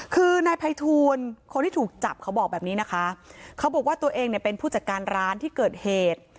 คือนายภัยทูลคนที่ถูกจับเขาบอกแบบนี้นะคะเขาบอกว่าตัวเองเนี่ยเป็นผู้จัดการร้านที่เกิดเหตุ